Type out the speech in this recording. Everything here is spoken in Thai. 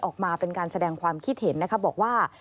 ออกมาเป็นการแสดงความคิดเห็นนะคะบอกว่า